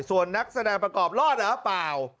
ส่วนนักแสดงประกอบรอดหรือเปล่า